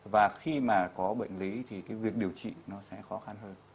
và khi mà có bệnh lý thì cái việc điều trị nó sẽ khó khăn hơn